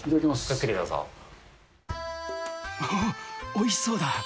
おいしそうだ。